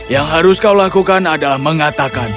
yang harus kau lakukan adalah mengatakan